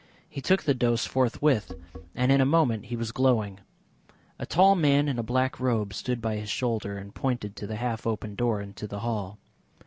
He took the dose forthwith, and in a moment he was glowing. A tall man in a black robe stood by his shoulder, and pointed to the half open door into the hall.